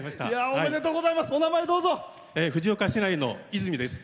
おめでとうございます。